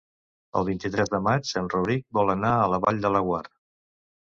El vint-i-tres de maig en Rauric vol anar a la Vall de Laguar.